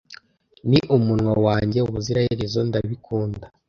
Ni umunwa wanjye ubuziraherezo, ndabikunda,